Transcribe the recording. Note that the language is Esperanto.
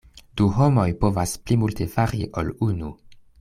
Du homoj povas pli multe fari ol unu.